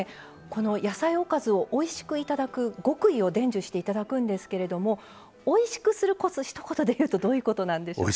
この野菜おかずをおいしく頂く極意を伝授していただくんですけれどもおいしくするコツひと言でいうとどういうことなんでしょう？